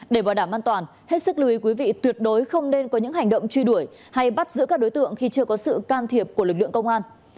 để bảo đảm an toàn hết sức lưu ý quý vị tuyệt đối không nên có những hành động truy đuổi hay bắt giữ các đối tượng khi chưa có sự can thiệp của lực lượng công an